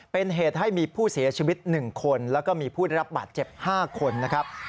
เป็นเหตุให้มีผู้เสียชีวิต๑คนแล้วก็มีผู้ได้รับบาดเจ็บ๕คนนะครับ